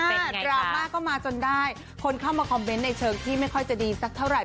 ดราม่าก็มาจนได้คนเข้ามาคอมเมนต์ในเชิงที่ไม่ค่อยจะดีสักเท่าไหร่